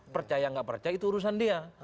percaya nggak percaya itu urusan dia